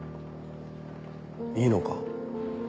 いいのか？